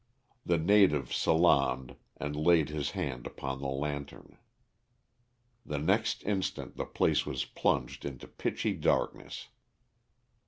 The native salaamed and laid his hand upon the lantern. The next instant the place was plunged into pitchy darkness.